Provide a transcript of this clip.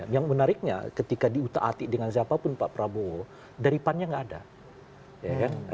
yang menariknya ketika diutak hati dengan siapapun pak prabowo daripannya nggak ada